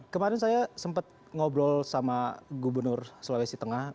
kemarin saya sempat ngobrol sama gubernur sulawesi tengah